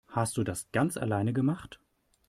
Hast du das ganz alleine gemacht?